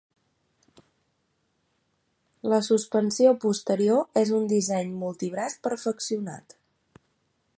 La suspensió posterior és un disseny multibraç perfeccionat.